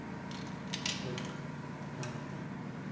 ６７。